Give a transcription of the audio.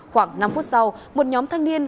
khoảng năm phút sau một nhóm thanh niên